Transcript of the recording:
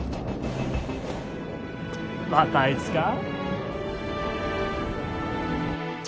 またあいつか？